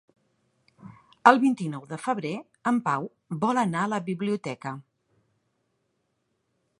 El vint-i-nou de febrer en Pau vol anar a la biblioteca.